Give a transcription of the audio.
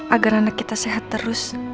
agar anak kita sehat terus